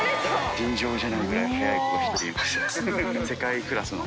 尋常じゃないぐらい速い人が１人います。